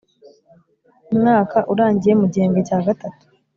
Mwaka urangiye mu gihembwe cya gatatu